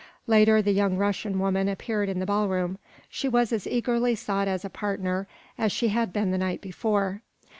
Later, the young Russian woman appeared in the ballroom. She was as eagerly sought as a partner as she had been the night before.